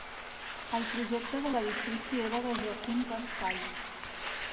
El projecte de l'edifici era de Joaquim Raspall.